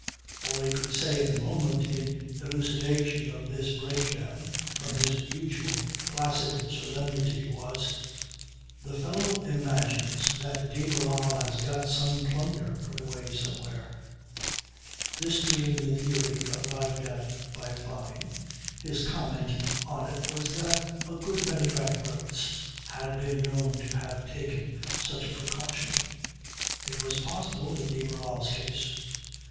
All he could say at the moment in elucidation of this breakdown from his usual placid solemnity was: "The fellow imagines that de Barral has got some plunder put away somewhere." This being the theory arrived at by Fyne, his comment on it was that a good many bankrupts had been known to have taken such a precaution. It was possible in de Barral's case.